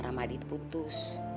karena ramadi itu putus